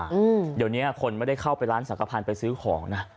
อืมเดี๋ยวเนี้ยคนไม่ได้เข้าไปร้านสังขพันธ์ไปซื้อของนะ